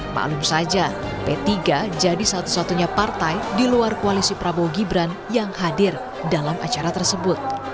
maklum saja p tiga jadi satu satunya partai di luar koalisi prabowo gibran yang hadir dalam acara tersebut